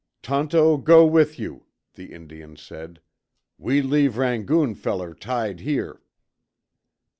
"Tonto go with you," the Indian said. "We leave Rangoon feller tied here."